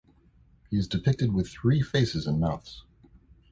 He is depicted with three faces and mouths.